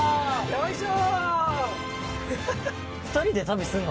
よいしょ！